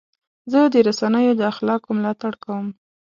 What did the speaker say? زه د رسنیو د اخلاقو ملاتړ کوم.